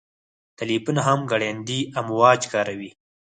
تلیفون هم ګړندي امواج کاروي.